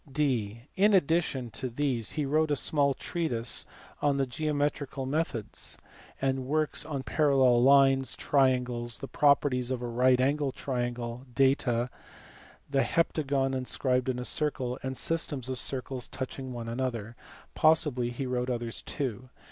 (d) In addition to these he wrote a small treatise on geometrical methods, and works on parallel lines, triangles, the properties of right angled triangles, data, the heptagon inscribed in a circle, and systems of circles touching one another ; possibly he wrote others too.